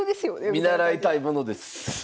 見習いたいものです。